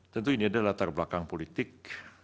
tentu ini adalah latar belakang politik